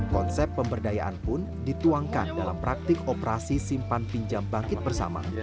konsep pemberdayaan pun dituangkan dalam praktik operasi simpan pinjam bangkit bersama